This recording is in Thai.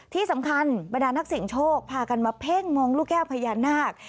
ที่สำคัญบรรดานักเสียงโชคพากันมาเพ่งมองลูกแก้วพญานาค